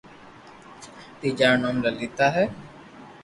تيجا رو نوم لتا ھي